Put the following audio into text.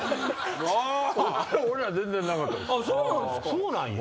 そうなんや。